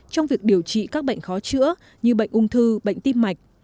trong việc điều trị các bệnh khó chữa như bệnh ung thư bệnh tim mạch